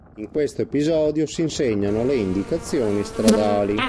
In questo episodio si insegnano le indicazioni stradali.